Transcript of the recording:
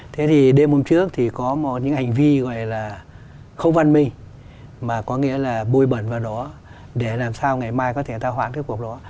thế thì đêm hôm trước thì có một những hành vi gọi là không văn minh mà có nghĩa là bôi bẩn vào đó để làm sao ngày mai có thể thao hoãn cái cuộc đó